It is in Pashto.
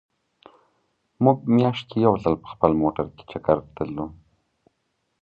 مونږ مياشت کې يو ځل په خپل موټر کې چکر ته ځو